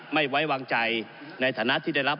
ไม่ไว้วางใจในฐานะที่ได้รับ